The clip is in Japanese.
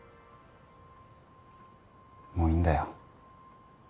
もういいんだよ